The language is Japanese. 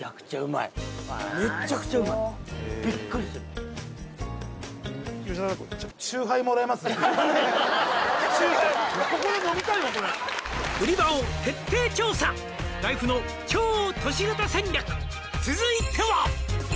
ビックリする「売り場を徹底調査」「ライフの超都市型戦略」「続いては」